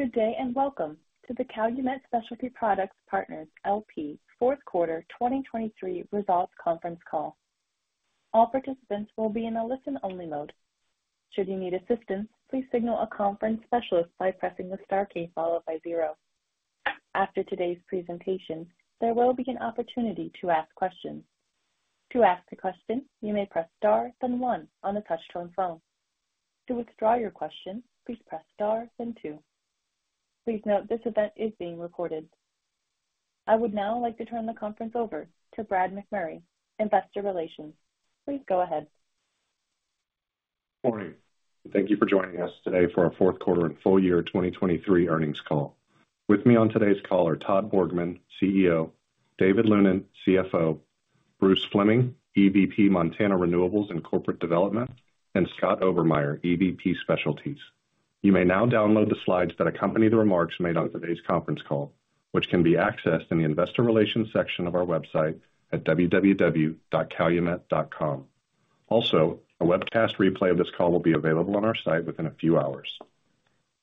Good day and welcome to the Calumet Specialty Products Partners, L.P. fourth quarter 2023 results conference call. All participants will be in a listen-only mode. Should you need assistance, please signal a conference specialist by pressing the star key followed by zero. After today's presentation, there will be an opportunity to ask questions. To ask a question, you may press star then one on a touch-tone phone. To withdraw your question, please press star then two. Please note this event is being recorded. I would now like to turn the conference over to Brad McMurray, Investor Relations. Please go ahead. Morning. Thank you for joining us today for our fourth quarter and full year 2023 earnings call. With me on today's call are Todd Borgmann, CEO; David Lunin, CFO; Bruce Fleming, EVP Montana Renewables and Corporate Development; and Scott Obermeier, EVP Specialties. You may now download the slides that accompany the remarks made on today's conference call, which can be accessed in the Investor Relations section of our website at www.calumet.com. Also, a webcast replay of this call will be available on our site within a few hours.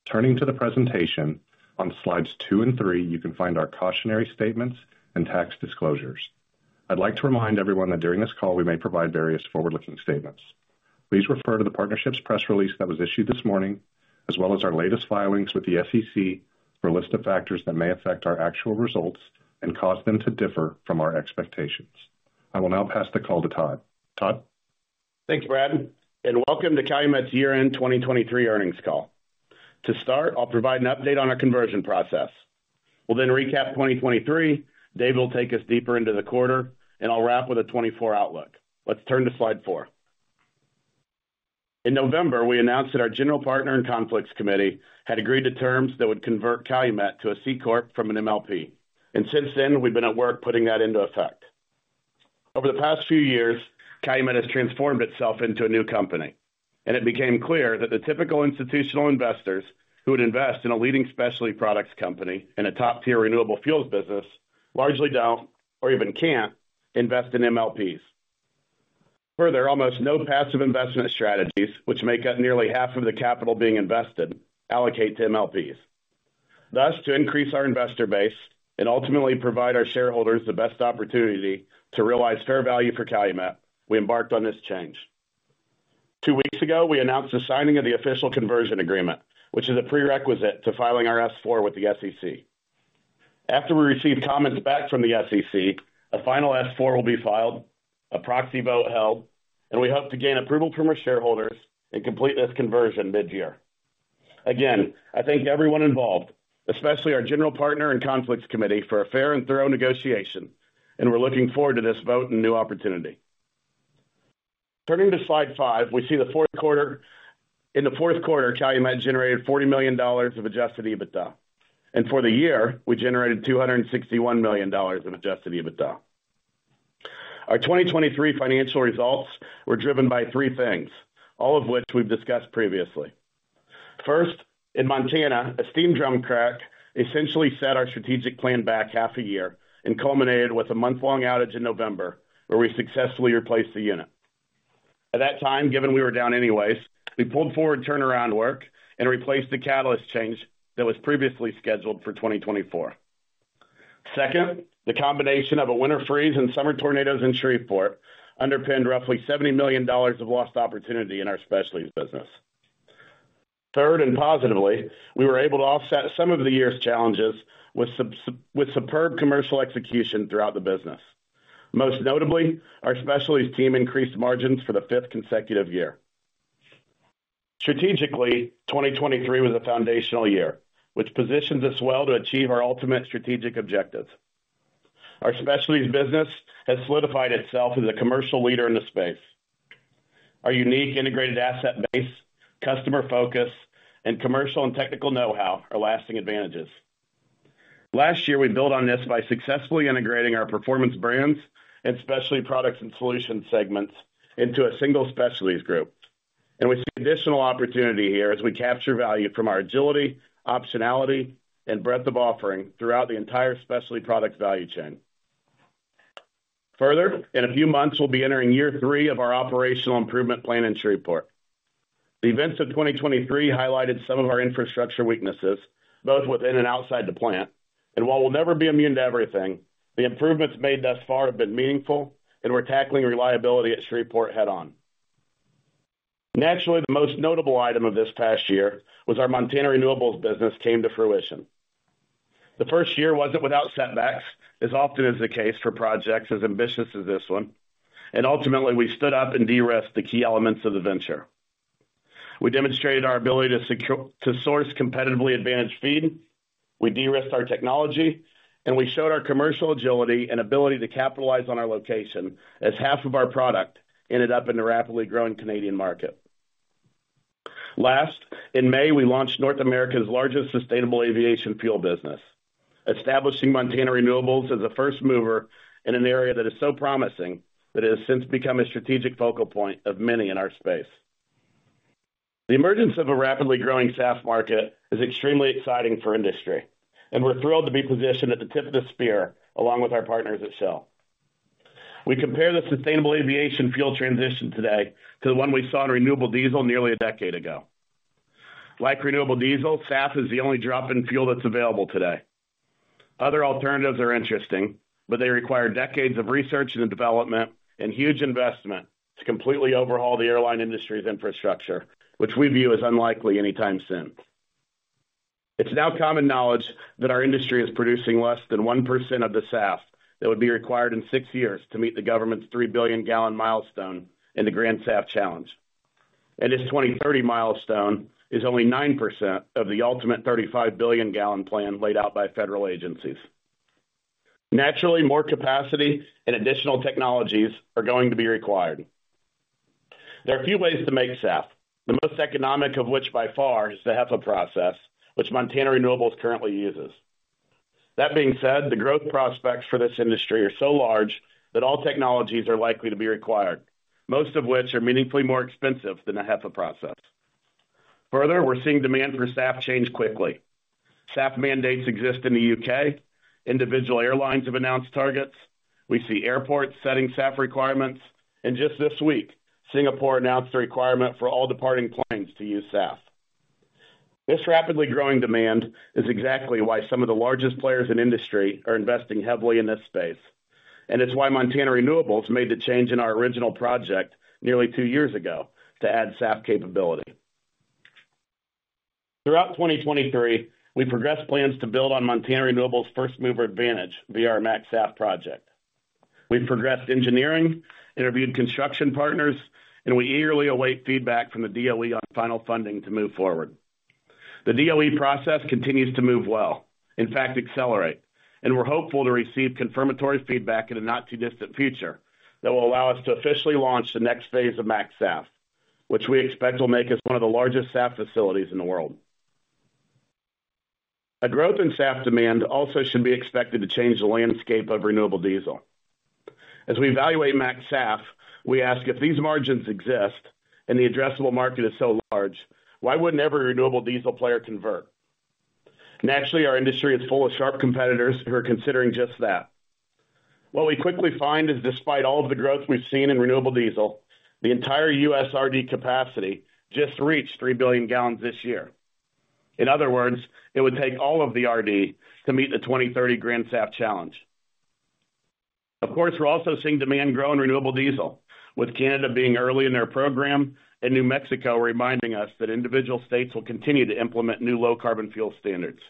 Turning to the presentation, on slides two and three you can find our cautionary statements and tax disclosures. I'd like to remind everyone that during this call we may provide various forward-looking statements. Please refer to the partnership's press release that was issued this morning, as well as our latest filings with the SEC for a list of factors that may affect our actual results and cause them to differ from our expectations. I will now pass the call to Todd. Todd? Thank you, Brad, and welcome to Calumet's year-end 2023 earnings call. To start, I'll provide an update on our conversion process. We'll then recap 2023, David will take us deeper into the quarter, and I'll wrap with a 2024 outlook. Let's turn to slide four. In November, we announced that our General Partner and Conflicts Committee had agreed to terms that would convert Calumet to a C-Corp from an MLP, and since then we've been at work putting that into effect. Over the past few years, Calumet has transformed itself into a new company, and it became clear that the typical institutional investors who would invest in a leading specialty products company in a top-tier renewable fuels business largely don't, or even can't, invest in MLPs. Further, almost no passive investment strategies, which make up nearly half of the capital being invested, allocate to MLPs. Thus, to increase our investor base and ultimately provide our shareholders the best opportunity to realize fair value for Calumet, we embarked on this change. Two weeks ago we announced the signing of the official conversion agreement, which is a prerequisite to filing our S-4 with the SEC. After we receive comments back from the SEC, a final S-4 will be filed, a proxy vote held, and we hope to gain approval from our shareholders and complete this conversion mid-year. Again, I thank everyone involved, especially our General Partner and Conflicts Committee, for a fair and thorough negotiation, and we're looking forward to this vote and new opportunity. Turning to slide five, we see the fourth quarter in the fourth quarter Calumet generated $40 million of Adjusted EBITDA, and for the year we generated $261 million of Adjusted EBITDA. Our 2023 financial results were driven by three things, all of which we've discussed previously. First, in Montana, a steam drum crack essentially set our strategic plan back half a year and culminated with a month-long outage in November where we successfully replaced the unit. At that time, given we were down anyways, we pulled forward turnaround work and replaced the catalyst change that was previously scheduled for 2024. Second, the combination of a winter freeze and summer tornadoes in Shreveport underpinned roughly $70 million of lost opportunity in our specialties business. Third, and positively, we were able to offset some of the year's challenges with superb commercial execution throughout the business. Most notably, our specialties team increased margins for the fifth consecutive year. Strategically, 2023 was a foundational year, which positions us well to achieve our ultimate strategic objectives. Our specialties business has solidified itself as a commercial leader in the space. Our unique integrated asset base, customer focus, and commercial and technical know-how are lasting advantages. Last year we built on this by successfully integrating our Performance Brands and Specialty Products and Solutions segments into a single specialties group, and we see additional opportunity here as we capture value from our agility, optionality, and breadth of offering throughout the entire specialty product value chain. Further, in a few months we'll be entering year three of our operational improvement plan in Shreveport. The events of 2023 highlighted some of our infrastructure weaknesses, both within and outside the plant, and while we'll never be immune to everything, the improvements made thus far have been meaningful and we're tackling reliability at Shreveport head-on. Naturally, the most notable item of this past year was our Montana Renewables business came to fruition. The first year wasn't without setbacks, as often is the case for projects as ambitious as this one, and ultimately we stood up and de-risked the key elements of the venture. We demonstrated our ability to source competitively advantaged feed, we de-risked our technology, and we showed our commercial agility and ability to capitalize on our location as half of our product ended up in the rapidly growing Canadian market. Last, in May we launched North America's largest sustainable aviation fuel business, establishing Montana Renewables as a first mover in an area that is so promising that it has since become a strategic focal point of many in our space. The emergence of a rapidly growing SAF market is extremely exciting for industry, and we're thrilled to be positioned at the tip of the spear along with our partners at Shell. We compare the sustainable aviation fuel transition today to the one we saw in renewable diesel nearly a decade ago. Like renewable diesel, SAF is the only drop-in fuel that's available today. Other alternatives are interesting, but they require decades of research and development and huge investment to completely overhaul the airline industry's infrastructure, which we view as unlikely anytime soon. It's now common knowledge that our industry is producing less than 1% of the SAF that would be required in six years to meet the government's 3 billion gallon milestone in the Grand SAF Challenge, and its 2030 milestone is only 9% of the ultimate 35 billion gallon plan laid out by federal agencies. Naturally, more capacity and additional technologies are going to be required. There are a few ways to make SAF, the most economic of which by far is the HEFA process, which Montana Renewables currently uses. That being said, the growth prospects for this industry are so large that all technologies are likely to be required, most of which are meaningfully more expensive than the HEFA process. Further, we're seeing demand for SAF change quickly. SAF mandates exist in the U.K., individual airlines have announced targets, we see airports setting SAF requirements, and just this week Singapore announced a requirement for all departing planes to use SAF. This rapidly growing demand is exactly why some of the largest players in industry are investing heavily in this space, and it's why Montana Renewables made the change in our original project nearly two years ago to add SAF capability. Throughout 2023 we progressed plans to build on Montana Renewables' first mover advantage, MaxSAF project. We've progressed engineering, interviewed construction partners, and we eagerly await feedback from the DOE on final funding to move forward. The DOE process continues to move well, in fact accelerate, and we're hopeful to receive confirmatory feedback in a not-too-distant future that will allow us to officially launch the next phase of MaxSAF, which we expect will make us one of the largest SAF facilities in the world. A growth in SAF demand also should be expected to change the landscape of renewable diesel. As we evaluate MaxSAF, we ask if these margins exist and the addressable market is so large, why wouldn't every renewable diesel player convert? Naturally, our industry is full of sharp competitors who are considering just that. What we quickly find is despite all of the growth we've seen in renewable diesel, the entire U.S. RD capacity just reached 3 billion gallons this year. In other words, it would take all of the RD to meet the 2030 Grand SAF Challenge. Of course, we're also seeing demand grow in renewable diesel, with Canada being early in their program and New Mexico reminding us that individual states will continue to implement new low-carbon fuel standards.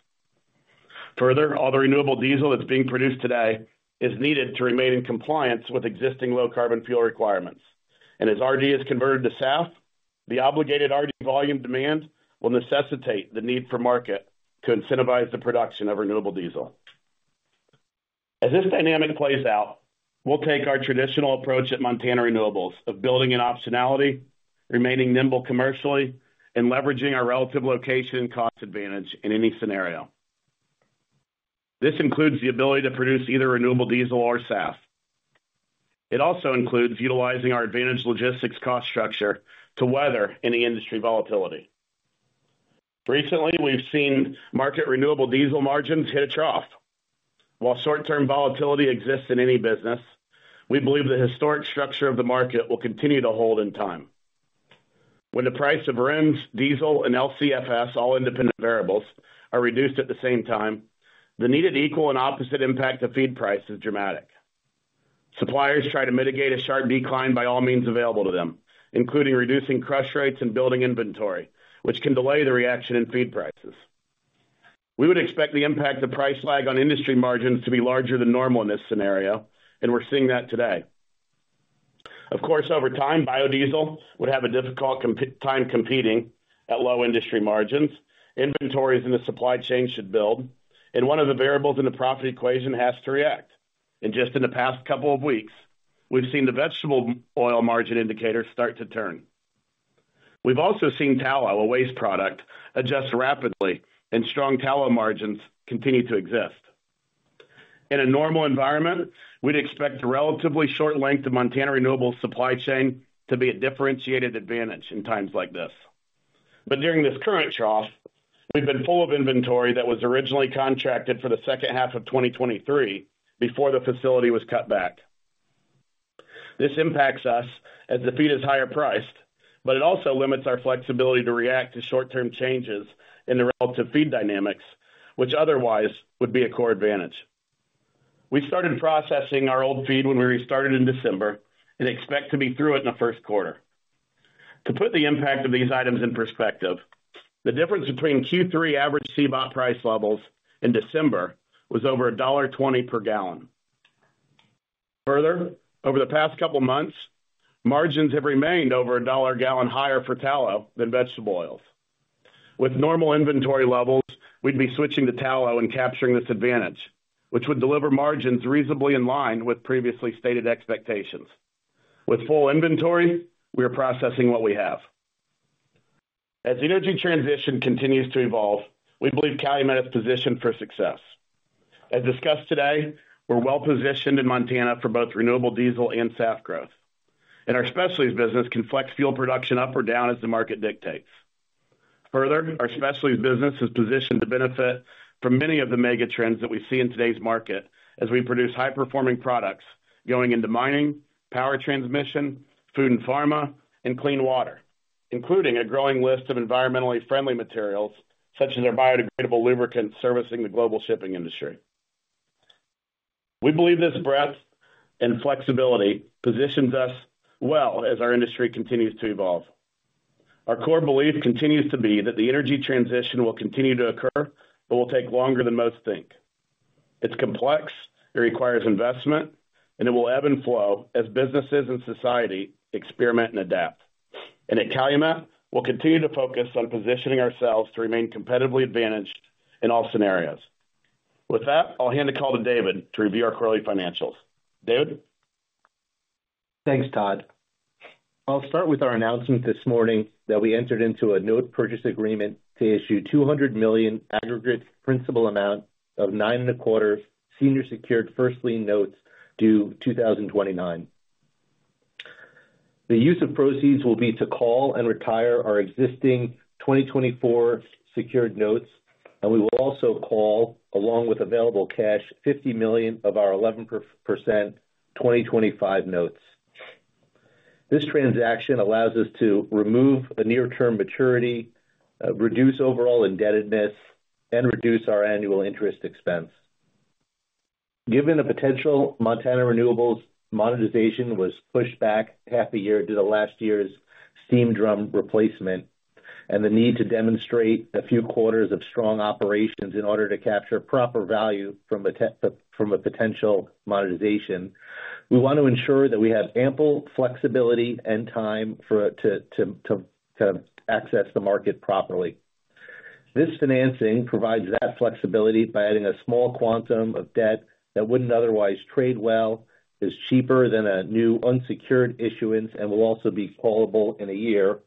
Further, all the renewable diesel that's being produced today is needed to remain in compliance with existing low-carbon fuel requirements, and as RD is converted to SAF, the obligated RD volume demand will necessitate the need for market to incentivize the production of renewable diesel. As this dynamic plays out, we'll take our traditional approach at Montana Renewables of building an optionality, remaining nimble commercially, and leveraging our relative location and cost advantage in any scenario. This includes the ability to produce either renewable diesel or SAF. It also includes utilizing our advantaged logistics cost structure to weather any industry volatility. Recently we've seen market renewable diesel margins hit a trough. While short-term volatility exists in any business, we believe the historic structure of the market will continue to hold in time. When the price of RINs, diesel, and LCFS, all independent variables, are reduced at the same time, the needed equal and opposite impact to feed price is dramatic. Suppliers try to mitigate a sharp decline by all means available to them, including reducing crush rates and building inventory, which can delay the reaction in feed prices. We would expect the impact of price lag on industry margins to be larger than normal in this scenario, and we're seeing that today. Of course, over time biodiesel would have a difficult time competing at low industry margins, inventories in the supply chain should build, and one of the variables in the profit equation has to react. In just the past couple of weeks we've seen the vegetable oil margin indicator start to turn. We've also seen tallow, a waste product, adjust rapidly and strong tallow margins continue to exist. In a normal environment we'd expect the relatively short length of Montana Renewables supply chain to be a differentiated advantage in times like this. But during this current trough we've been full of inventory that was originally contracted for the second half of 2023 before the facility was cut back. This impacts us as the feed is higher priced, but it also limits our flexibility to react to short-term changes in the relative feed dynamics, which otherwise would be a core advantage. We started processing our old feed when we restarted in December and expect to be through it in the first quarter. To put the impact of these items in perspective, the difference between Q3 average CBOT price levels in December was over $1.20 per gallon. Further, over the past couple of months margins have remained over $1 gallon higher for tallow than vegetable oils. With normal inventory levels we'd be switching to tallow and capturing this advantage, which would deliver margins reasonably in line with previously stated expectations. With full inventory we are processing what we have. As energy transition continues to evolve we believe Calumet is positioned for success. As discussed today we're well positioned in Montana for both renewable diesel and SAF growth, and our specialties business can flex fuel production up or down as the market dictates. Further, our specialties business is positioned to benefit from many of the mega trends that we see in today's market as we produce high-performing products going into mining, power transmission, food and pharma, and clean water, including a growing list of environmentally friendly materials such as our biodegradable lubricant servicing the global shipping industry. We believe this breadth and flexibility positions us well as our industry continues to evolve. Our core belief continues to be that the energy transition will continue to occur but will take longer than most think. It's complex, it requires investment, and it will ebb and flow as businesses and society experiment and adapt, and at Calumet we'll continue to focus on positioning ourselves to remain competitively advantaged in all scenarios. With that I'll hand a call to David to review our quarterly financials. David? Thanks Todd. I'll start with our announcement this morning that we entered into a note purchase agreement to issue $200 million aggregate principal amount of 9.25% senior secured first lien notes due 2029. The use of proceeds will be to call and retire our existing 2024 secured notes, and we will also call along with available cash $50 million of our 11% 2025 notes. This transaction allows us to remove a near-term maturity, reduce overall indebtedness, and reduce our annual interest expense. Given the potential Montana Renewables monetization was pushed back half a year due to last year's steam drum replacement and the need to demonstrate a few quarters of strong operations in order to capture proper value from a potential monetization, we want to ensure that we have ample flexibility and time to kind of access the market properly. This financing provides that flexibility by adding a small quantum of debt that wouldn't otherwise trade well, is cheaper than a new unsecured issuance, and will also be callable in a year,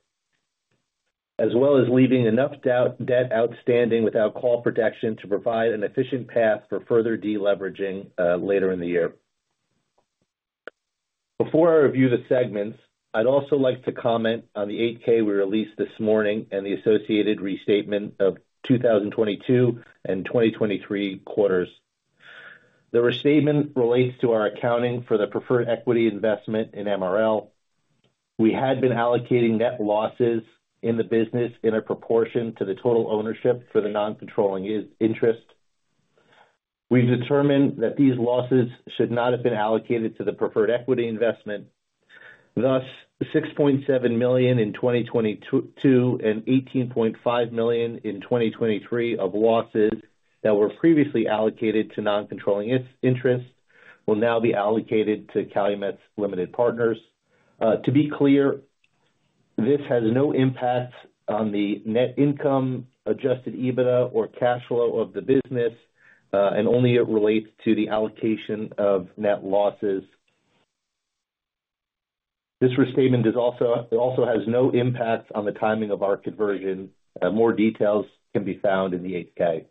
as well as leaving enough debt outstanding without call protection to provide an efficient path for further deleveraging later in the year. Before I review the segments I'd also like to comment on the 8K we released this morning and the associated restatement of 2022 and 2023 quarters. The restatement relates to our accounting for the preferred equity investment in MRL. We had been allocating net losses in the business in a proportion to the total ownership for the non-controlling interest. We've determined that these losses should not have been allocated to the preferred equity investment. Thus, $6.7 million in 2022 and $18.5 million in 2023 of losses that were previously allocated to non-controlling interest will now be allocated to Calumet's limited partners. To be clear, this has no impact on the net income, Adjusted EBITDA, or cash flow of the business, and only it relates to the allocation of net losses. This restatement also has no impact on the timing of our conversion. More details can be found in the 8K.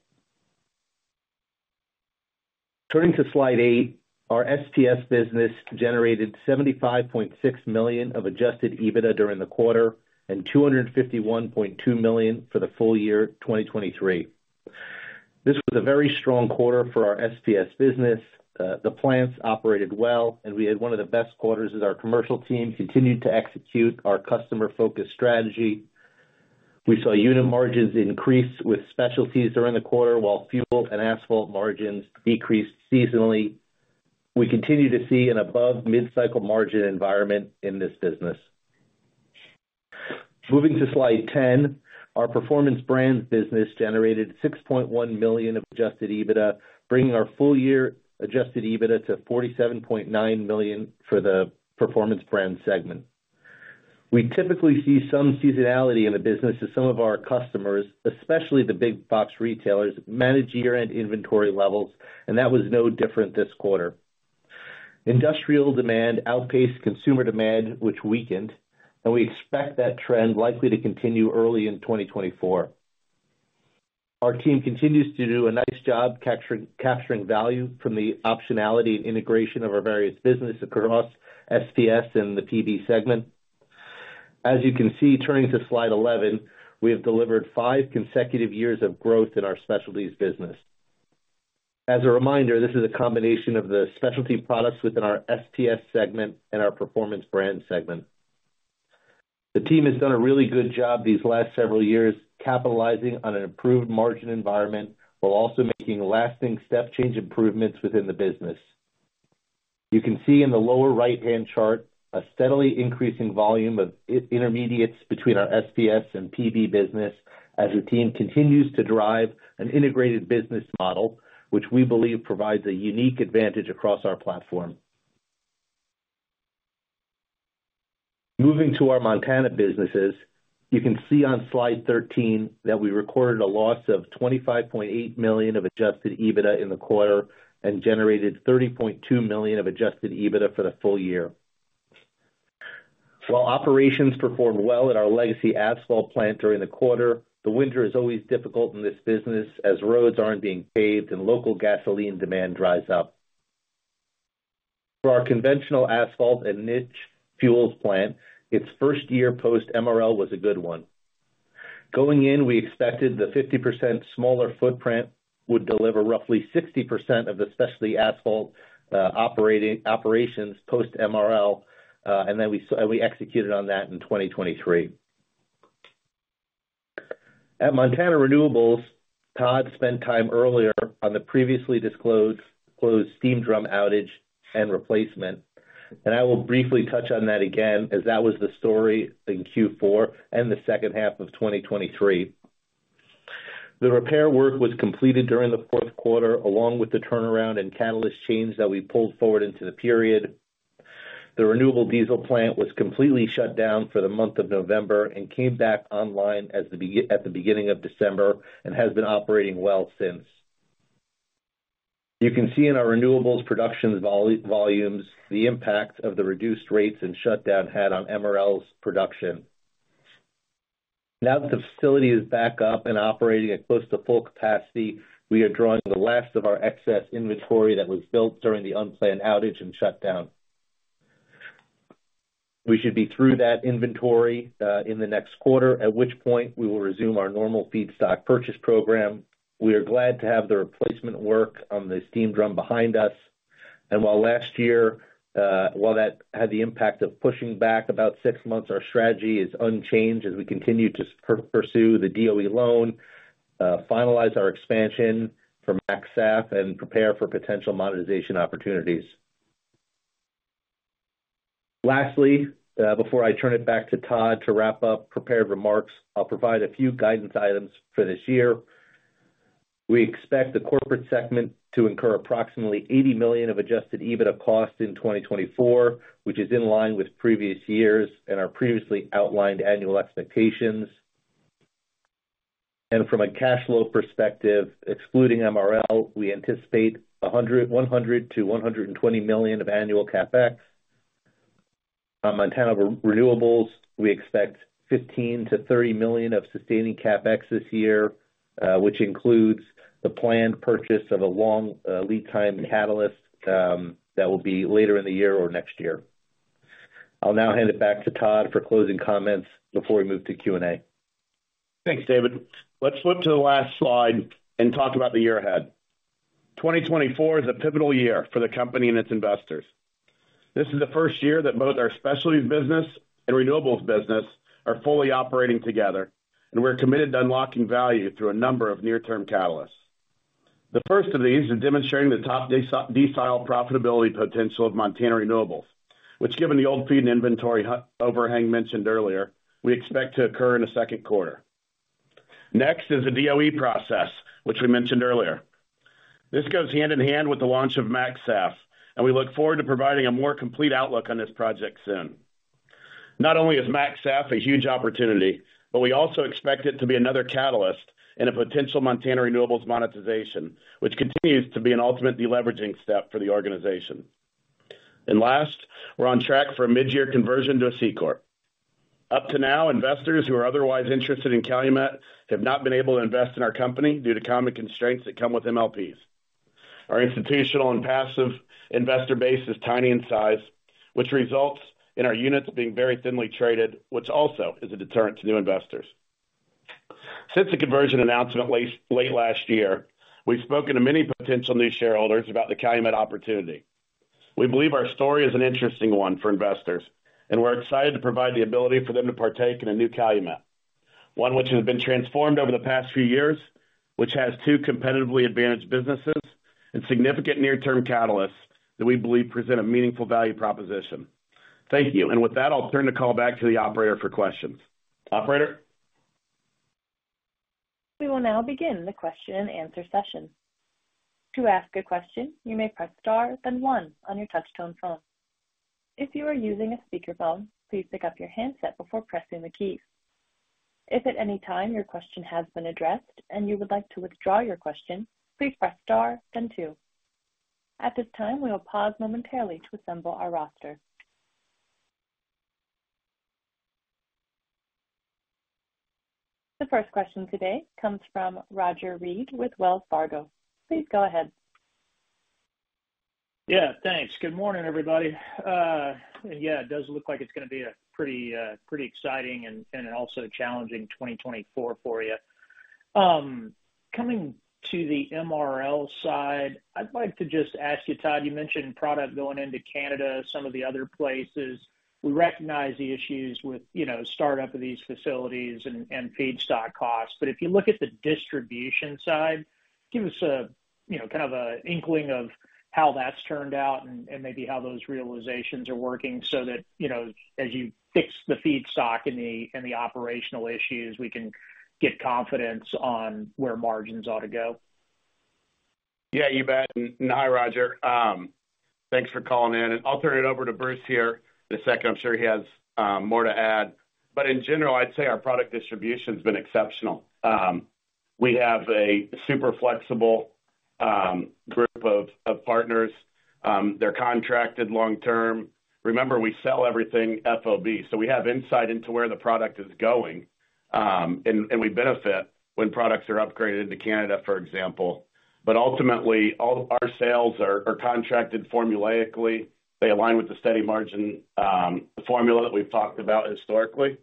Turning to slide eight, our SPS business generated $75.6 million of Adjusted EBITDA during the quarter and $251.2 million for the full year 2023. This was a very strong quarter for our SPS business. The plants operated well, and we had one of the best quarters as our commercial team continued to execute our customer-focused strategy. We saw unit margins increase with specialties during the quarter while fuel and asphalt margins decreased seasonally. We continue to see an above-mid-cycle margin environment in this business. Moving to slide 10, our performance brands business generated $6.1 million of Adjusted EBITDA, bringing our full year Adjusted EBITDA to $47.9 million for the performance brand segment. We typically see some seasonality in the business as some of our customers, especially the big box retailers, manage year-end inventory levels, and that was no different this quarter. Industrial demand outpaced consumer demand, which weakened, and we expect that trend likely to continue early in 2024. Our team continues to do a nice job capturing value from the optionality and integration of our various business across SPS and the PB segment. As you can see, turning to slide 11, we have delivered five consecutive years of growth in our specialties business. As a reminder, this is a combination of the specialty products within our SPS segment and our performance brand segment. The team has done a really good job these last several years capitalizing on an improved margin environment while also making lasting step change improvements within the business. You can see in the lower right-hand chart a steadily increasing volume of intermediates between our SPS and PB business as the team continues to drive an integrated business model, which we believe provides a unique advantage across our platform. Moving to our Montana businesses, you can see on slide 13 that we recorded a loss of $25.8 million of Adjusted EBITDA in the quarter and generated $30.2 million of Adjusted EBITDA for the full year. While operations performed well at our legacy asphalt plant during the quarter, the winter is always difficult in this business as roads aren't being paved and local gasoline demand dries up. For our conventional asphalt and niche fuels plant, its first year post-MRL was a good one. Going in, we expected the 50% smaller footprint would deliver roughly 60% of the specialty asphalt operations post-MRL, and then we executed on that in 2023. At Montana Renewables, Todd spent time earlier on the previously disclosed steam drum outage and replacement, and I will briefly touch on that again as that was the story in Q4 and the second half of 2023. The repair work was completed during the fourth quarter along with the turnaround and catalyst change that we pulled forward into the period. The renewable diesel plant was completely shut down for the month of November and came back online at the beginning of December and has been operating well since. You can see in our renewables production volumes the impact of the reduced rates and shutdown had on MRL's production. Now that the facility is back up and operating at close to full capacity, we are drawing the last of our excess inventory that was built during the unplanned outage and shutdown. We should be through that inventory in the next quarter, at which point we will resume our normal feedstock purchase program. We are glad to have the replacement work on the Steam Drum behind us, and while last year, while that had the impact of pushing back about six months, our strategy is unchanged as we continue to pursue the DOE loan, finalize our expansion for MaxSAF, and prepare for potential monetization opportunities. Lastly, before I turn it back to Todd to wrap up prepared remarks, I'll provide a few guidance items for this year. We expect the corporate segment to incur approximately $80 million of Adjusted EBITDA cost in 2024, which is in line with previous years and our previously outlined annual expectations. From a cash flow perspective, excluding MRL, we anticipate $100 million-$120 million of annual CapEx. On Montana Renewables, we expect $15 million-$30 million of sustaining CapEx this year, which includes the planned purchase of a long lead time catalyst that will be later in the year or next year. I'll now hand it back to Todd for closing comments before we move to Q&A. Thanks, David. Let's flip to the last slide and talk about the year ahead. 2024 is a pivotal year for the company and its investors. This is the first year that both our specialties business and renewables business are fully operating together, and we're committed to unlocking value through a number of near-term catalysts. The first of these is demonstrating the top decile profitability potential of Montana Renewables, which given the old feed and inventory overhang mentioned earlier, we expect to occur in the second quarter. Next is the DOE process, which we mentioned earlier. This goes hand in hand with the launch of MaxSAF, and we look forward to providing a more complete outlook on this project soon. Not only is MaxSAF a huge opportunity, but we also expect it to be another catalyst in a potential Montana Renewables monetization, which continues to be an ultimate deleveraging step for the organization. And last, we're on track for a mid-year conversion to a C-Corp. Up to now, investors who are otherwise interested in Calumet have not been able to invest in our company due to common constraints that come with MLPs. Our institutional and passive investor base is tiny in size, which results in our units being very thinly traded, which also is a deterrent to new investors. Since the conversion announcement late last year, we've spoken to many potential new shareholders about the Calumet opportunity. We believe our story is an interesting one for investors, and we're excited to provide the ability for them to partake in a new Calumet, one which has been transformed over the past few years, which has two competitively advantaged businesses and significant near-term catalysts that we believe present a meaningful value proposition. Thank you. With that, I'll turn the call back to the operator for questions. Operator? We will now begin the question and answer session. To ask a question, you may press star, then one on your touchtone phone. If you are using a speakerphone, please pick up your handset before pressing the keys. If at any time your question has been addressed and you would like to withdraw your question, please press star, then two. At this time, we will pause momentarily to assemble our roster. The first question today comes from Roger Read with Wells Fargo. Please go ahead. Yeah, thanks. Good morning, everybody. And yeah, it does look like it's going to be a pretty exciting and also challenging 2024 for you. Coming to the MRL side, I'd like to just ask you, Todd. You mentioned product going into Canada, some of the other places. We recognize the issues with startup of these facilities and feedstock costs, but if you look at the distribution side, give us kind of an inkling of how that's turned out and maybe how those realizations are working so that as you fix the feedstock and the operational issues, we can get confidence on where margins ought to go. Yeah, you bet. And hi, Roger. Thanks for calling in. And I'll turn it over to Bruce here in a second. I'm sure he has more to add. But in general, I'd say our product distribution has been exceptional. We have a super flexible group of partners. They're contracted long-term. Remember, we sell everything FOB, so we have insight into where the product is going, and we benefit when products are upgraded into Canada, for example. But ultimately, our sales are contracted formulaically. They align with the steady margin formula that we've talked about historically.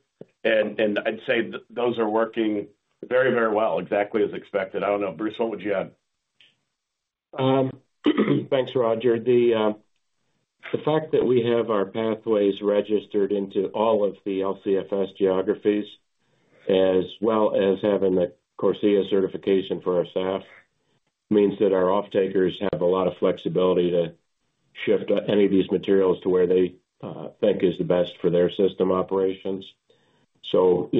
And I'd say those are working very, very well, exactly as expected. I don't know, Bruce, what would you add? Thanks, Roger. The fact that we have our pathways registered into all of the LCFS geographies, as well as having the CORSIA certification for our SAF, means that our off-takers have a lot of flexibility to shift any of these materials to where they think is the best for their system operations. So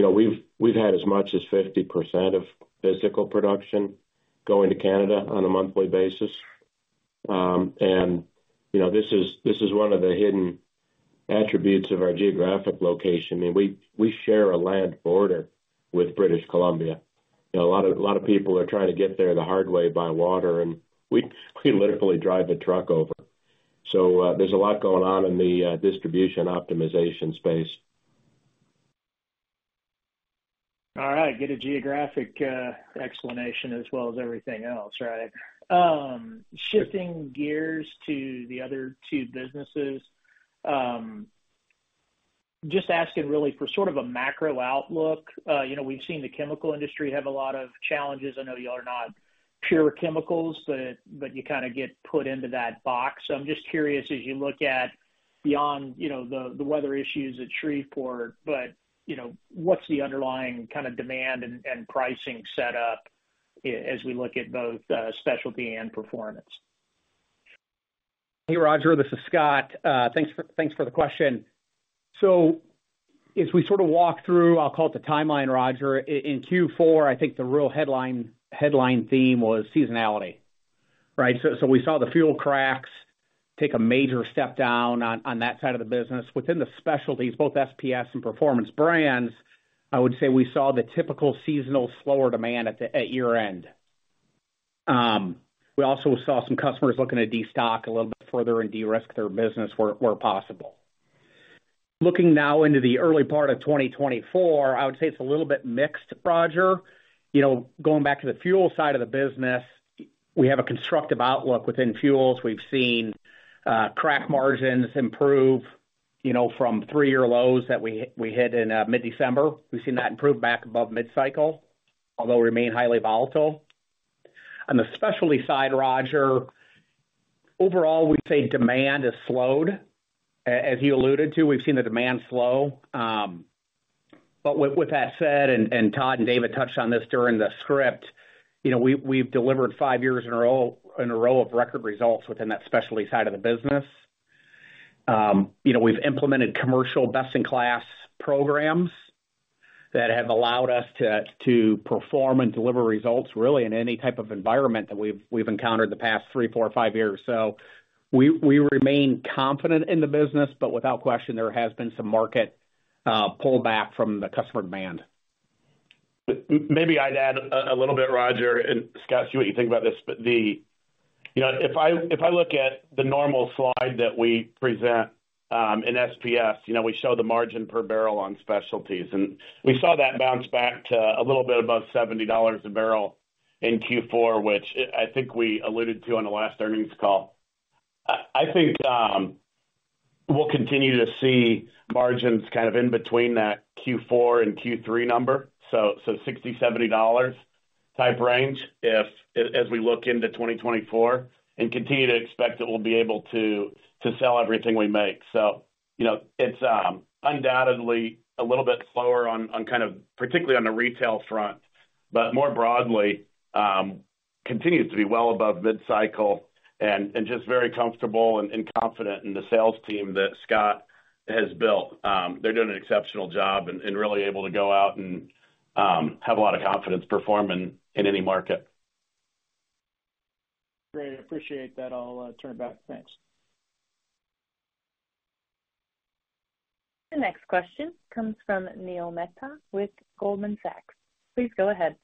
we've had as much as 50% of physical production going to Canada on a monthly basis. And this is one of the hidden attributes of our geographic location. I mean, we share a land border with British Columbia. A lot of people are trying to get there the hard way by water, and we literally drive a truck over. So there's a lot going on in the distribution optimization space. All right. Good geographic explanation as well as everything else, right? Shifting gears to the other two businesses, just asking really for sort of a macro outlook. We've seen the chemical industry have a lot of challenges. I know y'all are not pure chemicals, but you kind of get put into that box. So I'm just curious, as you look at beyond the weather issues at Shreveport, what's the underlying kind of demand and pricing setup as we look at both specialty and performance? Hey, Roger. This is Scott. Thanks for the question. So as we sort of walk through, I'll call it the timeline, Roger. In Q4, I think the real headline theme was seasonality, right? So we saw the fuel cracks take a major step down on that side of the business. Within the specialties, both SPS and performance brands, I would say we saw the typical seasonal slower demand at year-end. We also saw some customers looking to destock a little bit further and de-risk their business where possible. Looking now into the early part of 2024, I would say it's a little bit mixed, Roger. Going back to the fuel side of the business, we have a constructive outlook within fuels. We've seen crack margins improve from 3-year lows that we hit in mid-December. We've seen that improve back above mid-cycle, although remain highly volatile. On the specialty side, Roger, overall, we'd say demand has slowed. As you alluded to, we've seen the demand slow. But with that said, and Todd and David touched on this during the script, we've delivered 5 years in a row of record results within that specialty side of the business. We've implemented commercial best-in-class programs that have allowed us to perform and deliver results really in any type of environment that we've encountered the past 3, 4, 5 years. So we remain confident in the business, but without question, there has been some market pullback from the customer demand. Maybe I'd add a little bit, Roger, and Scott, see what you think about this. But if I look at the normal slide that we present in SPS, we show the margin per barrel on specialties, and we saw that bounce back to a little bit above $70 a barrel in Q4, which I think we alluded to on the last earnings call. I think we'll continue to see margins kind of in between that Q4 and Q3 number, so $60-$70 type range as we look into 2024, and continue to expect that we'll be able to sell everything we make. So it's undoubtedly a little bit slower on kind of particularly on the retail front, but more broadly, continues to be well above mid-cycle and just very comfortable and confident in the sales team that Scott has built. They're doing an exceptional job and really able to go out and have a lot of confidence performing in any market. Great. Appreciate that. I'll turn it back. Thanks. The next question comes from Neil Mehta with Goldman Sachs. Please go ahead.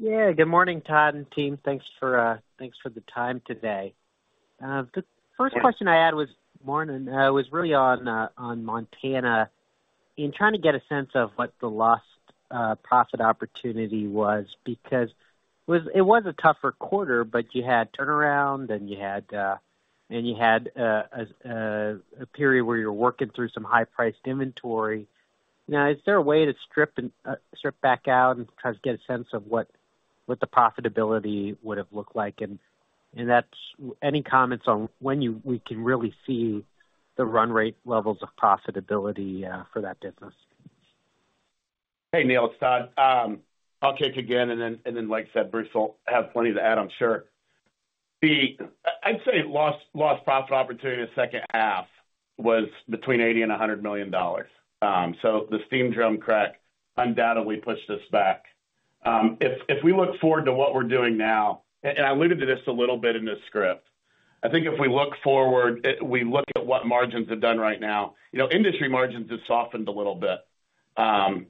Yeah. Good morning, Todd and team. Thanks for the time today. The first question I had was really on Montana and trying to get a sense of what the lost profit opportunity was because it was a tougher quarter, but you had turnaround and you had a period where you were working through some high-priced inventory. Is there a way to strip back out and try to get a sense of what the profitability would have looked like? And any comments on when we can really see the run rate levels of profitability for that business? Hey, Neil. It's Todd. I'll kick again, and then, like I said, Bruce will have plenty to add, I'm sure. I'd say lost profit opportunity in the second half was between $80 million and $100 million. So the steam drum crack undoubtedly pushed us back. If we look forward to what we're doing now, and I alluded to this a little bit in the script, I think if we look forward, we look at what margins have done right now. Industry margins have softened a little bit, and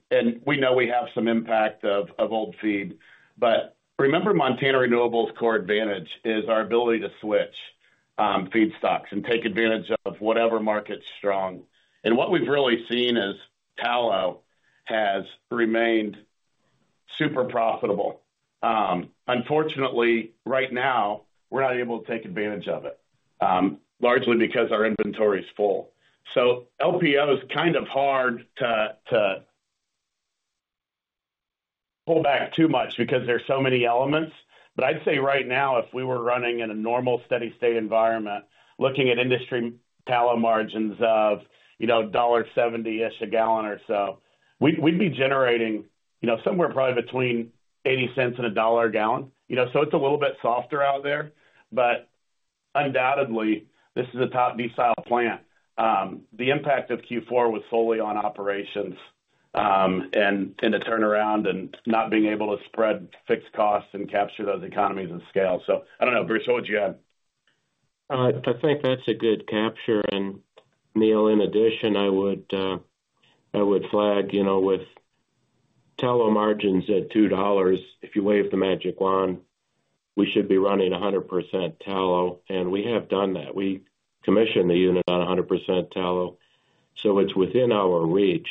we know we have some impact of old feed. But remember, Montana Renewables' core advantage is our ability to switch feedstocks and take advantage of whatever market's strong. And what we've really seen is Tallow has remained super profitable. Unfortunately, right now, we're not able to take advantage of it, largely because our inventory is full. So LPO is kind of hard to pull back too much because there's so many elements. But I'd say right now, if we were running in a normal steady-state environment, looking at industry Tallow margins of $1.70-ish a gallon or so, we'd be generating somewhere probably between $0.80 and $1 a gallon. So it's a little bit softer out there. But undoubtedly, this is a top decile plant. The impact of Q4 was solely on operations and the turnaround and not being able to spread fixed costs and capture those economies of scale. So I don't know. Bruce, what would you add? I think that's a good capture. And Neil, in addition, I would flag with Tallow margins at $2, if you wave the magic wand, we should be running 100% Tallow. And we have done that. We commissioned the unit on 100% Tallow, so it's within our reach.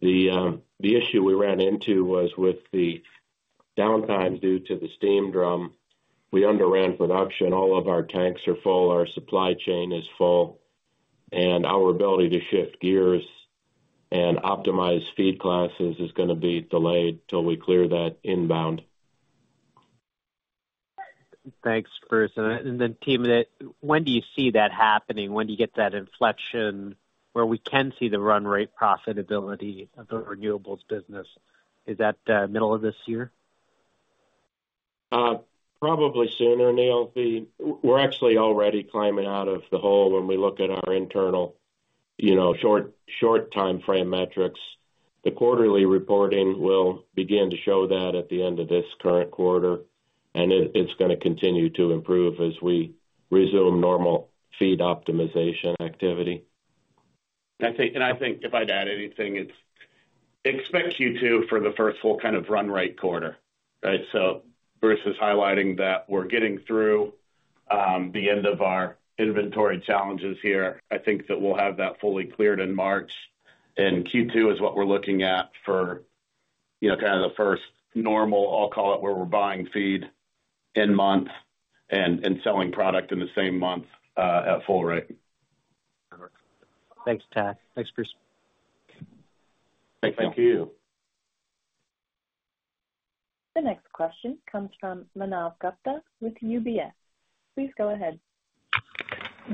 The issue we ran into was with the downtime due to the Steam Drum. We underran production. All of our tanks are full. Our supply chain is full. And our ability to shift gears and optimize feed classes is going to be delayed till we clear that inbound. Thanks, Bruce. And then team of the when do you see that happening? When do you get that inflection where we can see the run rate profitability of the renewables business? Is that middle of this year? Probably sooner, Neil. We're actually already climbing out of the hole when we look at our internal short-time frame metrics. The quarterly reporting will begin to show that at the end of this current quarter, and it's going to continue to improve as we resume normal feed optimization activity. I think if I'd add anything, expect Q2 for the first full kind of run rate quarter, right? So Bruce is highlighting that we're getting through the end of our inventory challenges here. I think that we'll have that fully cleared in March. And Q2 is what we're looking at for kind of the first normal, I'll call it where we're buying feed in month and selling product in the same month at full rate. Perfect. Thanks, Tad. Thanks, Bruce. Thank you. Thank you. The next question comes from Manav Gupta with UBS. Please go ahead.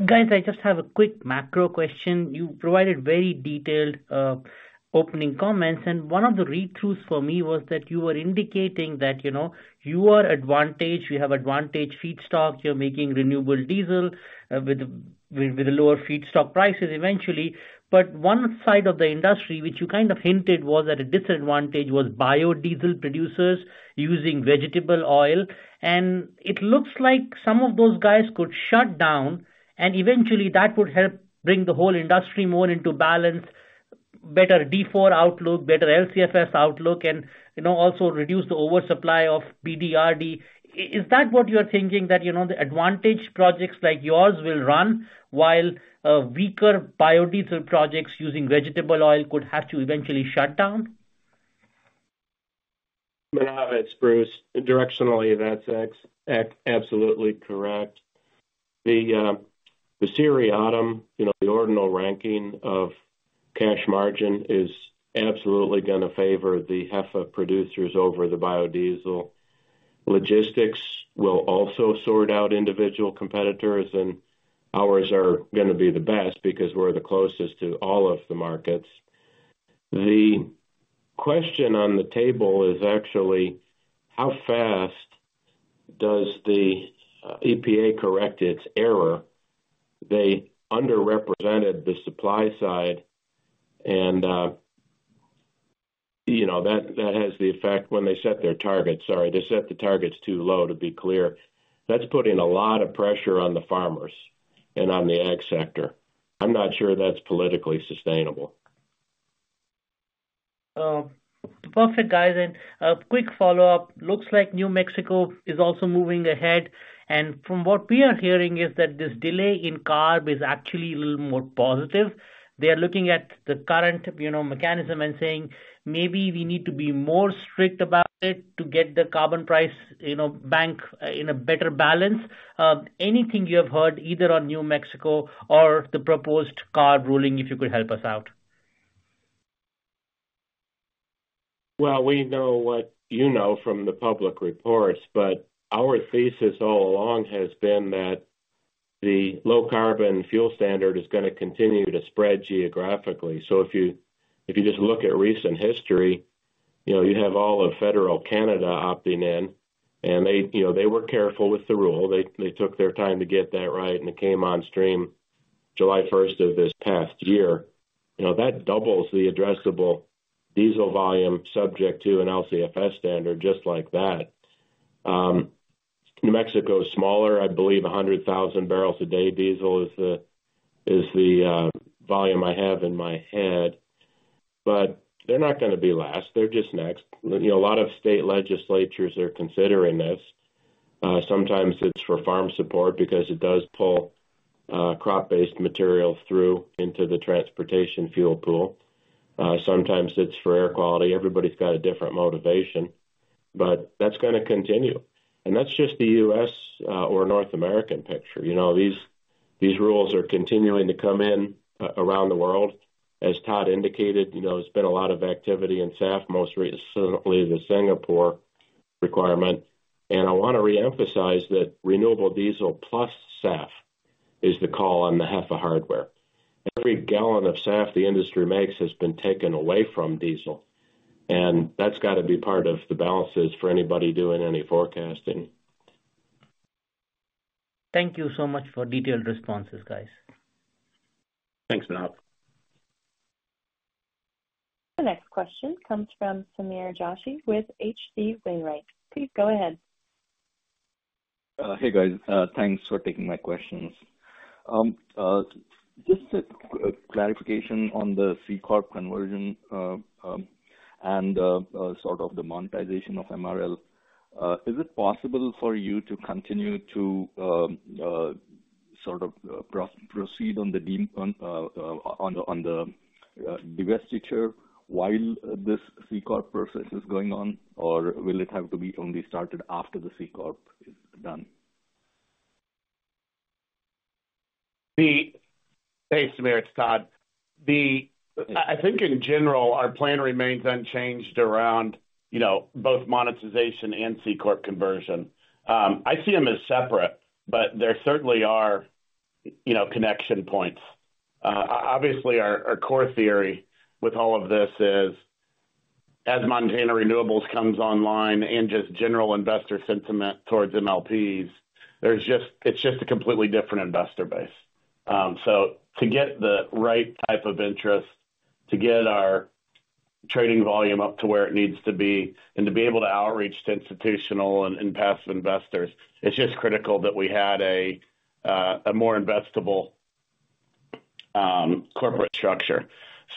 Guys, I just have a quick macro question. You provided very detailed opening comments, and one of the read-throughs for me was that you were indicating that you are advantaged. You have advantage feed stock. You're making renewable diesel with the lower feed stock prices eventually. But one side of the industry, which you kind of hinted was at a disadvantage, was biodiesel producers using vegetable oil. And it looks like some of those guys could shut down, and eventually, that would help bring the whole industry more into balance, better D4 outlook, better LCFS outlook, and also reduce the oversupply of BDRD. Is that what you're thinking, that the advantaged projects like yours will run while weaker biodiesel projects using vegetable oil could have to eventually shut down? It's Bruce. Directionally, that's absolutely correct. Ceteris paribus, the ordinal ranking of cash margin, is absolutely going to favor the HEFA producers over the biodiesel. Logistics will also sort out individual competitors, and ours are going to be the best because we're the closest to all of the markets. The question on the table is actually how fast does the EPA correct its error? They underrepresented the supply side, and that has the effect when they set their targets. Sorry, they set the targets too low, to be clear. That's putting a lot of pressure on the farmers and on the ag sector. I'm not sure that's politically sustainable. Perfect, guys. A quick follow-up. Looks like New Mexico is also moving ahead. From what we are hearing, this delay in CARB is actually a little more positive. They are looking at the current mechanism and saying maybe we need to be more strict about it to get the carbon price back in a better balance. Anything you have heard either on New Mexico or the proposed CARB ruling, if you could help us out? Well, we know what you know from the public reports, but our thesis all along has been that the Low Carbon Fuel Standard is going to continue to spread geographically. So if you just look at recent history, you have all of federal Canada opting in, and they were careful with the rule. They took their time to get that right, and it came on stream July 1st of this past year. That doubles the addressable diesel volume subject to an LCFS standard just like that. New Mexico is smaller. I believe 100,000 barrels a day diesel is the volume I have in my head. But they're not going to be last. They're just next. A lot of state legislatures are considering this. Sometimes it's for farm support because it does pull crop-based material through into the transportation fuel pool. Sometimes it's for air quality. Everybody's got a different motivation. But that's going to continue. And that's just the U.S. or North American picture. These rules are continuing to come in around the world. As Todd indicated, there's been a lot of activity in SAF, most recently the Singapore requirement. And I want to reemphasize that renewable diesel plus SAF is the call on the HEFA hardware. Every gallon of SAF the industry makes has been taken away from diesel, and that's got to be part of the balances for anybody doing any forecasting. Thank you so much for detailed responses, guys. Thanks, Manav. The next question comes from Sameer Joshi with H.C. Wainwright. Please go ahead. Hey, guys. Thanks for taking my questions. Just a clarification on the C-Corp conversion and sort of the monetization of MRL. Is it possible for you to continue to sort of proceed on the divestiture while this C-Corp process is going on, or will it have to be only started after the C-Corp is done? Hey, Sameer. It's Todd. I think, in general, our plan remains unchanged around both monetization and C-Corp conversion. I see them as separate, but there certainly are connection points. Obviously, our core theory with all of this is as Montana Renewables comes online and just general investor sentiment towards MLPs, it's just a completely different investor base. So to get the right type of interest, to get our trading volume up to where it needs to be, and to be able to outreach to institutional and passive investors, it's just critical that we had a more investable corporate structure.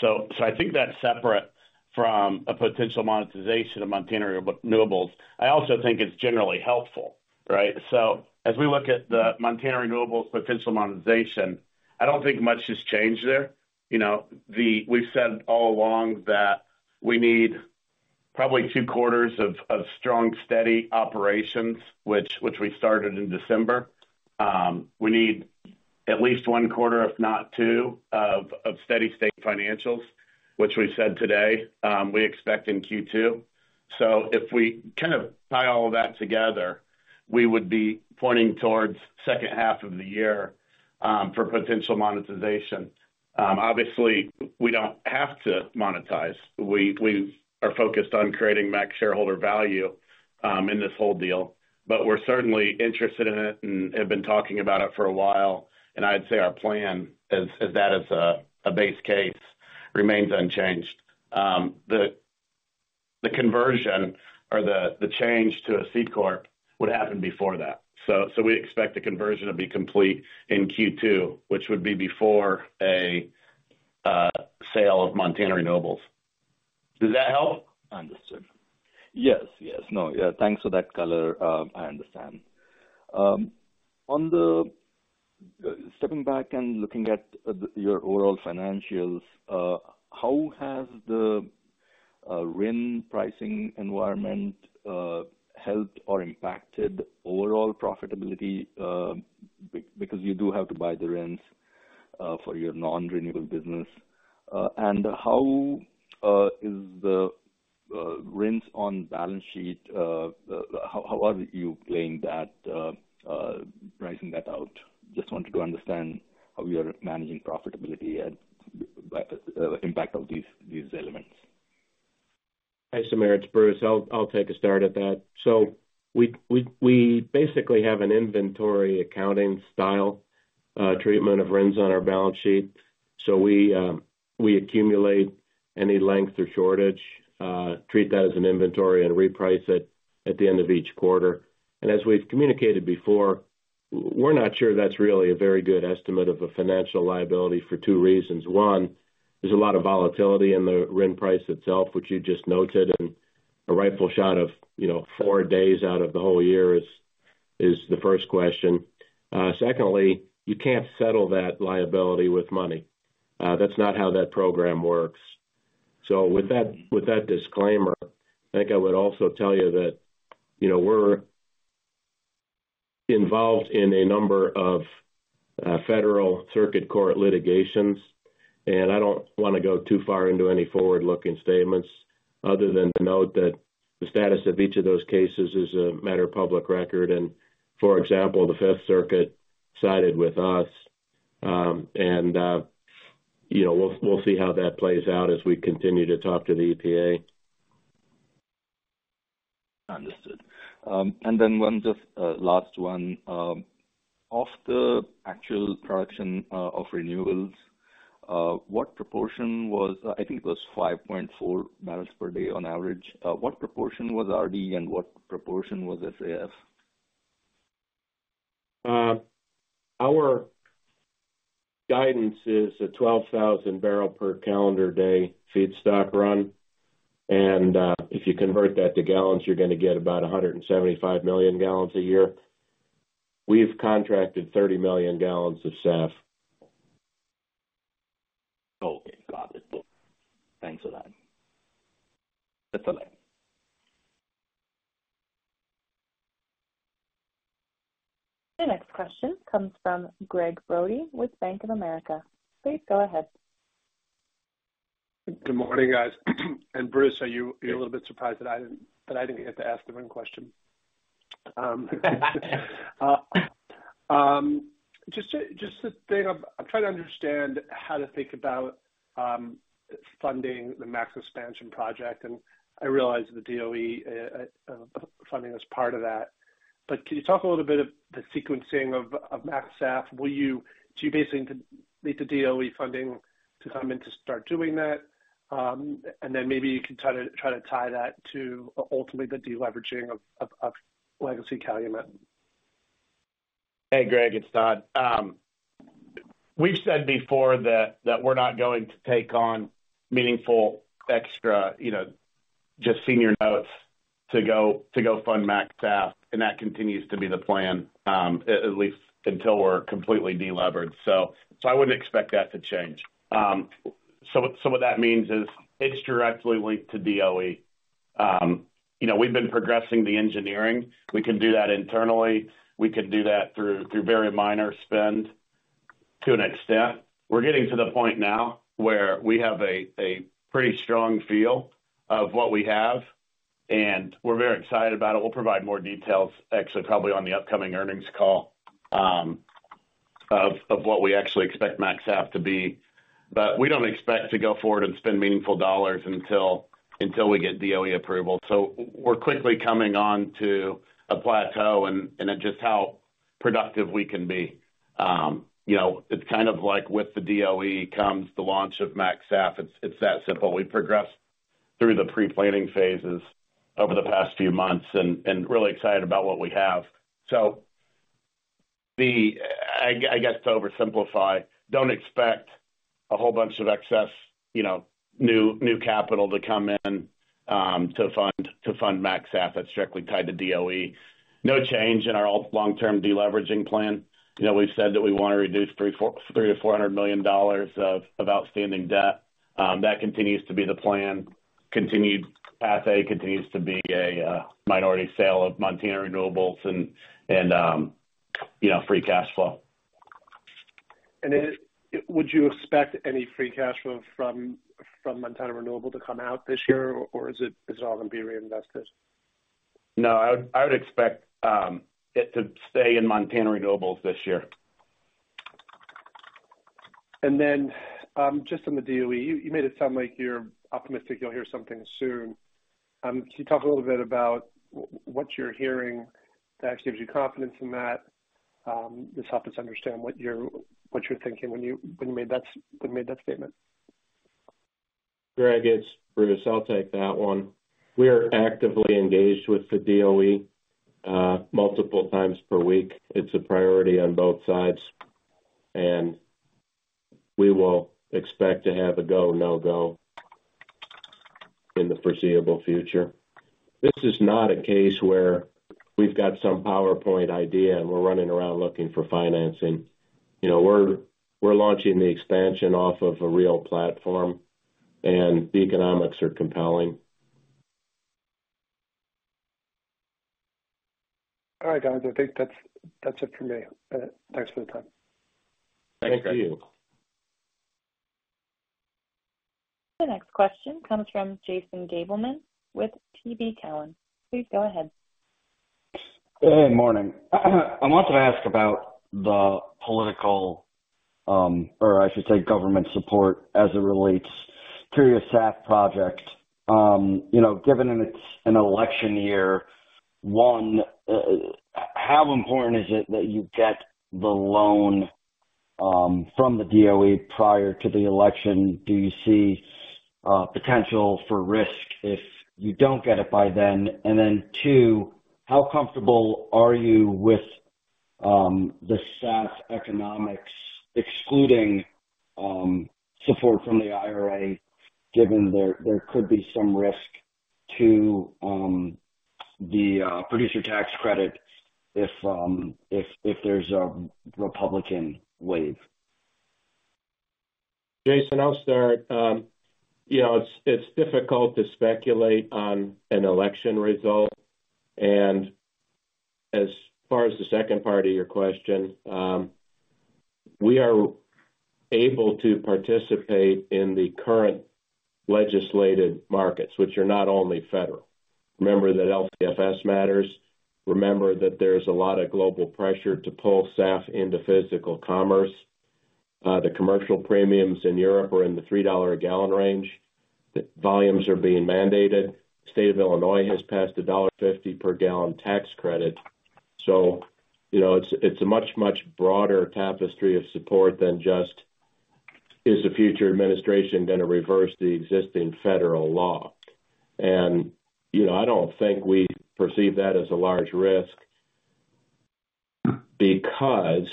So I think that's separate from a potential monetization of Montana Renewables. I also think it's generally helpful, right? So as we look at the Montana Renewables potential monetization, I don't think much has changed there. We've said all along that we need probably two quarters of strong, steady operations, which we started in December. We need at least one quarter, if not two, of steady-state financials, which we said today we expect in Q2. So if we kind of tie all of that together, we would be pointing towards second half of the year for potential monetization. Obviously, we don't have to monetize. We are focused on creating max shareholder value in this whole deal, but we're certainly interested in it and have been talking about it for a while. And I'd say our plan, as that is a base case, remains unchanged. The conversion or the change to a C-Corp would happen before that. So we expect the conversion to be complete in Q2, which would be before a sale of Montana Renewables. Does that help? Understood. Yes, yes. No, thanks for that color. I understand. Stepping back and looking at your overall financials, how has the RIN pricing environment helped or impacted overall profitability? Because you do have to buy the RINs for your non-renewable business. And how is the RINs on balance sheet? How are you playing that pricing that out? Just wanted to understand how you are managing profitability and impact of these elements. Hey, Sameer. It's Bruce. I'll take a start at that. So we basically have an inventory accounting style treatment of RINs on our balance sheet. So we accumulate any length or shortage, treat that as an inventory, and reprice it at the end of each quarter. As we've communicated before, we're not sure that's really a very good estimate of a financial liability for two reasons. One, there's a lot of volatility in the RIN price itself, which you just noted, and a rifle shot of four days out of the whole year is the first question. Secondly, you can't settle that liability with money. That's not how that program works. So with that disclaimer, I think I would also tell you that we're involved in a number of federal circuit court litigations. And I don't want to go too far into any forward-looking statements other than to note that the status of each of those cases is a matter of public record. And for example, the Fifth Circuit sided with us. And we'll see how that plays out as we continue to talk to the EPA. Understood. And then one just last one. Of the actual production of renewables, what proportion was—I think it was—5.4 barrels per day on average. What proportion was RD, and what proportion was SAF? Our guidance is a 12,000-barrel-per-calendar-day feedstock run. And if you convert that to gallons, you're going to get about 175 million gallons a year. We've contracted 30 million gallons of SAF. Okay. Got it. Thanks for that. That's all right. The next question comes from Gregg Brody with Bank of America. Please go ahead. Good morning, guys. And Bruce, are you a little bit surprised that I didn't get to ask the RIN question? Just the thing I'm trying to understand how to think about funding the MaxSAF expansion project. And I realize the DOE funding is part of that. But can you talk a little bit of the sequencing of MaxSAF? Do you basically need the DOE funding to come in to start doing that? And then maybe you can try to tie that to, ultimately, the deleveraging of legacy Calumet. Hey, Gregg. It's Todd. We've said before that we're not going to take on meaningful extra just senior notes to go fund MaxSAF, and that continues to be the plan, at least until we're completely deleveraged. So I wouldn't expect that to change. So what that means is it's directly linked to DOE. We've been progressing the engineering. We can do that internally. We can do that through very minor spend to an extent. We're getting to the point now where we have a pretty strong feel of what we have, and we're very excited about it. We'll provide more details, actually, probably on the upcoming earnings call of what we actually expect MaxSAF to be. But we don't expect to go forward and spend meaningful dollars until we get DOE approval. So we're quickly coming onto a plateau and just how productive we can be. It's kind of like with the DOE comes the launch of MaxSAF. It's that simple. We've progressed through the pre-planning phases over the past few months and really excited about what we have. So I guess to oversimplify, don't expect a whole bunch of excess new capital to come in to fund MaxSAF. That's strictly tied to DOE. No change in our long-term deleveraging plan. We've said that we want to reduce $300 million-$400 million of outstanding debt. That continues to be the plan. Continued path A continues to be a minority sale of Montana Renewables and free cash flow. And would you expect any free cash flow from Montana Renewables to come out this year, or is it all going to be reinvested? No. I would expect it to stay in Montana Renewables this year. And then just on the DOE, you made it sound like you're optimistic you'll hear something soon. Can you talk a little bit about what you're hearing that actually gives you confidence in that? This helps us understand what you're thinking when you made that statement. Gregg, it's Bruce. I'll take that one. We are actively engaged with the DOE multiple times per week. It's a priority on both sides, and we will expect to have a go-no-go in the foreseeable future. This is not a case where we've got some PowerPoint idea and we're running around looking for financing. We're launching the expansion off of a real platform, and the economics are compelling. All right, guys. I think that's it for me. Thanks for the time. Thanks, Gregg. Thank you. The next question comes from Jason Gabelman with TD Cowen. Please go ahead. Good morning. I wanted to ask about the political, or, I should say, government support as it relates to your SAF project. Given it's an election year, one, how important is it that you get the loan from the DOE prior to the election? Do you see potential for risk if you don't get it by then? And then two, how comfortable are you with the SAF economics, excluding support from the IRA, given there could be some risk to the producer tax credit if there's a Republican wave? Jason, I'll start. It's difficult to speculate on an election result. And as far as the second part of your question, we are able to participate in the current legislated markets, which are not only federal. Remember that LCFS matters. Remember that there's a lot of global pressure to pull SAF into physical commerce. The commercial premiums in Europe are in the $3 a gallon range. Volumes are being mandated. The state of Illinois has passed a $1.50 per gallon tax credit. So it's a much, much broader tapestry of support than just, "Is the future administration going to reverse the existing federal law?" And I don't think we perceive that as a large risk because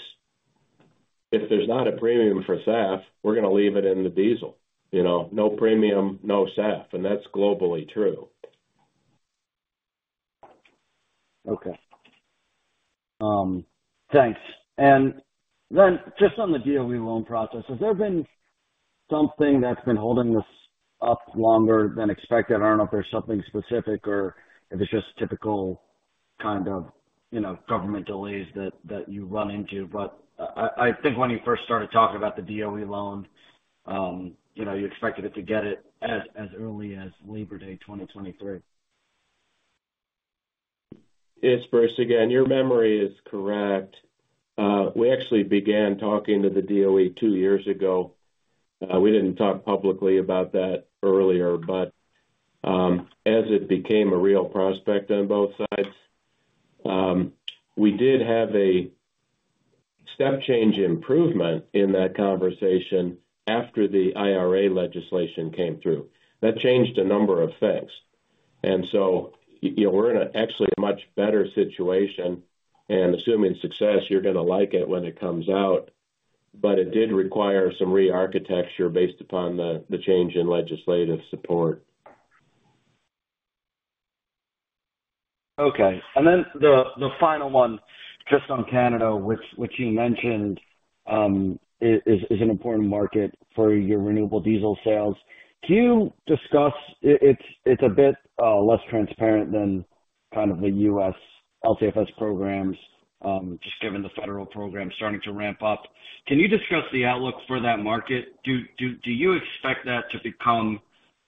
if there's not a premium for SAF, we're going to leave it in the diesel. No premium, no SAF. And that's globally true. Okay. Thanks. And then just on the DOE loan process, has there been something that's been holding this up longer than expected? I don't know if there's something specific or if it's just typical kind of government delays that you run into. But I think when you first started talking about the DOE loan, you expected it to get it as early as Labor Day 2023. It's Bruce again. Your memory is correct. We actually began talking to the DOE two years ago. We didn't talk publicly about that earlier. But as it became a real prospect on both sides, we did have a step change improvement in that conversation after the IRA legislation came through. That changed a number of things. And so we're in actually a much better situation. And assuming success, you're going to like it when it comes out. But it did require some rearchitecture based upon the change in legislative support. Okay. And then the final one, just on Canada, which you mentioned is an important market for your renewable diesel sales. Can you discuss? It's a bit less transparent than kind of the U.S. LCFS programs, just given the federal program starting to ramp up. Can you discuss the outlook for that market? Do you expect that to become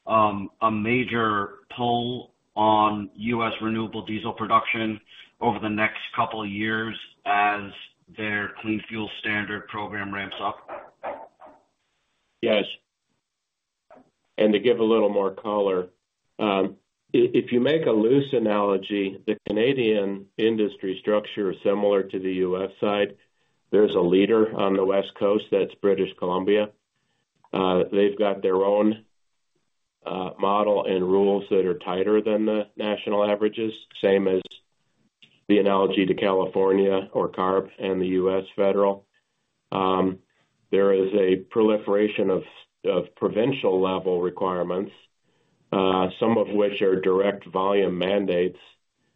a major pull on U.S. renewable diesel production over the next couple of years as their clean fuel standard program ramps up? Yes. And to give a little more color, if you make a loose analogy, the Canadian industry structure is similar to the U.S. side. There's a leader on the West Coast. That's British Columbia. They've got their own model and rules that are tighter than the national averages, same as the analogy to California or CARB and the U.S. federal. There is a proliferation of provincial-level requirements, some of which are direct volume mandates,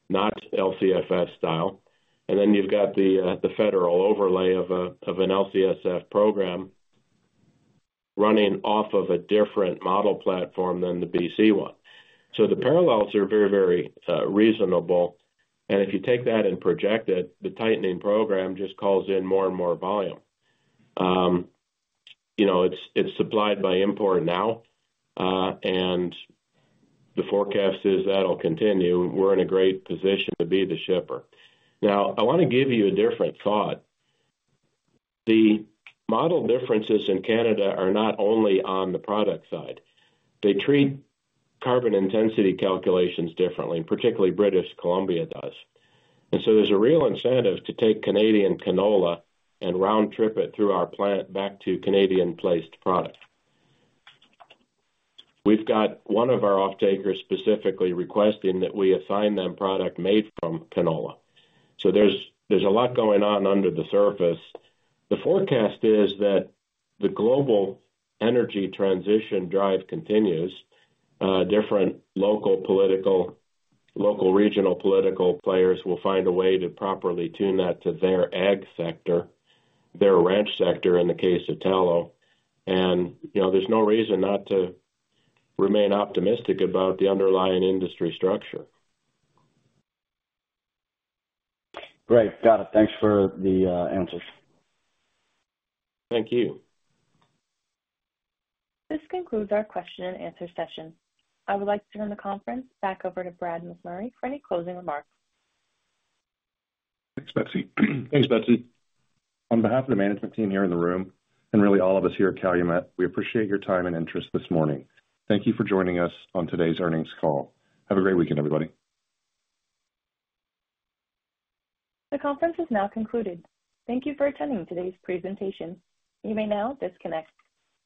not LCFS style. And then you've got the federal overlay of an LCFS program running off of a different model platform than the BC one. So the parallels are very, very reasonable. And if you take that and project it, the tightening program just calls in more and more volume. It's supplied by import now, and the forecast is that'll continue. We're in a great position to be the shipper. Now, I want to give you a different thought. The model differences in Canada are not only on the product side. They treat carbon intensity calculations differently, particularly British Columbia does. And so there's a real incentive to take Canadian canola and round-trip it through our plant back to Canadian-placed product. We've got one of our off-takers specifically requesting that we assign them product made from canola. So there's a lot going on under the surface. The forecast is that the global energy transition drive continues. Different local regional political players will find a way to properly tune that to their ag sector, their ranch sector, in the case of Tallow. There's no reason not to remain optimistic about the underlying industry structure. Great. Got it. Thanks for the answers. Thank you. This concludes our question-and-answer session. I would like to turn the conference back over to Brad McMurray for any closing remarks. Thanks, Betsy. Thanks, Betsy. On behalf of the management team here in the room and really all of us here at Calumet, we appreciate your time and interest this morning. Thank you for joining us on today's earnings call. Have a great weekend, everybody. The conference is now concluded. Thank you for attending today's presentation. You may now disconnect.